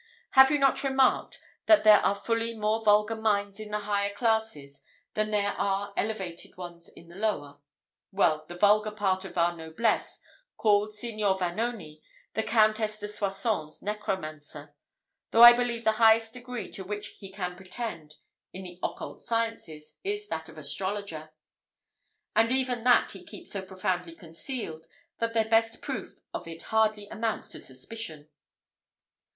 Have you not remarked, that there are fully more vulgar minds in the higher classes, than there are elevated ones in the lower? Well, the vulgar part of our noblesse call Signor Vanoni the Countess de Soisson's necromancer, though I believe the highest degree to which he can pretend in the occult sciences is that of astrologer; and even that he keeps so profoundly concealed, that their best proof of it hardly amounts to suspicion."